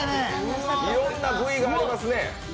いろんな部位がありますね。